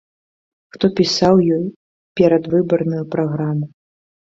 Хто пісаў ёй перадвыбарную праграму?